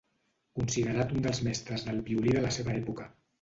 Considerat un dels mestres del violí de la seva època.